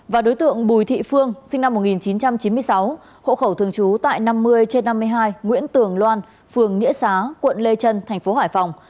và đối tượng bùi thị phương sinh năm một nghìn chín trăm chín mươi sáu hộ khẩu thường trú tại năm mươi trên năm mươi hai nguyễn tường loan phường nghĩa xá quận lê trân thành phố hải phòng